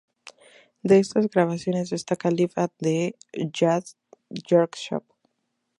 De estas grabaciones destaca "Live at the jazz workshop".